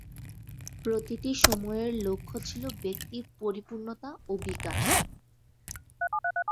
প্রতিটি সময়ের লক্ষ্য ছিল ব্যক্তির পরিপূর্ণতা ও বিকাশ।